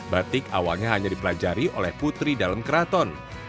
batik awalnya hanya dipelajari oleh putri dalam keraton